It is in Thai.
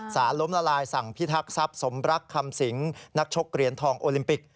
สารล้มละลายสั่งพิทักษัพสมรักคำสิงนักชกเหรียญทองโอลิมปิก